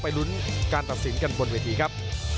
ลุ้นการตัดสินกันบนเวทีครับ